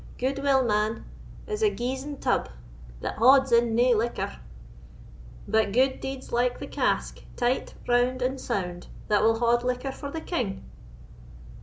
Gude will, man, is a geizen'd tub, that hauds in nae liquor; but gude deed's like the cask, tight, round, and sound, that will haud liquor for the king."